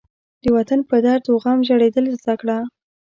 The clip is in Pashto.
د وطن په درد و غم ژړېدل زده کړه.